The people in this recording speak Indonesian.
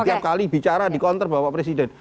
tiap kali bicara dikonter pak presiden